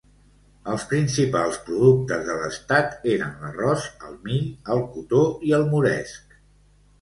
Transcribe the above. Els principals productes de l'estat eren l'arròs, el mill, el cotó i el moresc.